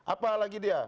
apa lagi dia